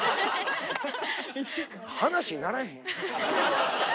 話になれへん。